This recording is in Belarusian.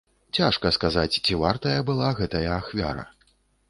Цяжка сказаць, ці вартая была гэтая ахвяра.